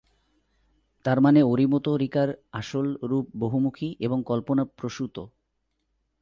তারমানে Orimoto recur আসল রূপ বহুমুখী এবং কল্পনাপ্রসূত।